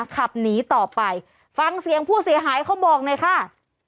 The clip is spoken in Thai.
ขับหนีต่อไปฟังเสียงผู้เสียหายเขาบอกหน่อยค่ะ